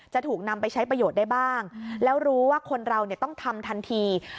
จะถูกนำไปใช้ประโยชน์ได้บ้างแล้วรู้ว่าคนเราต้องทำทันที